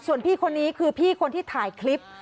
ส่วนพี่คนนี้คือพี่คนที่ถ่ายคลิป